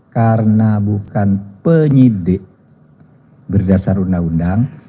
karena bukan penyidik berdasar undang undang